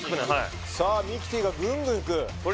さあミキティがぐんぐんいく鶏